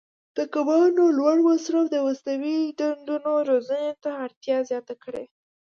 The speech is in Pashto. د کبانو لوړ مصرف د مصنوعي ډنډونو روزنې ته اړتیا زیاته کړې.